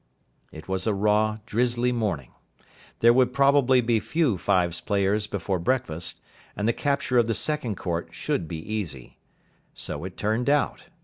It was a raw, drizzly morning. There would probably be few fives players before breakfast, and the capture of the second court should be easy. So it turned out.